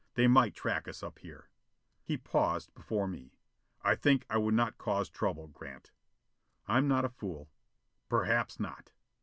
They might track us up here." He paused before me. "I think I would not cause trouble, Grant." "I'm not a fool." "Perhaps not."